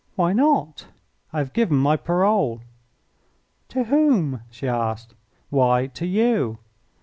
"Why not?" "I have given my parole." "To whom?" she asked. "Why, to you."